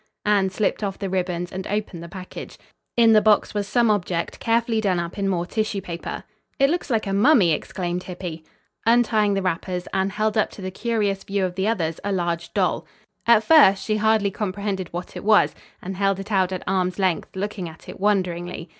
Anne slipped off the ribbons and opened the package. In the box was some object, carefully done up in more tissue paper. "It looks like a mummy," exclaimed Hippy. Untying the wrappers, Anne held up to the curious view of the others a large doll. At first she hardly comprehended what it was and held it out at arms' length looking at it wonderingly.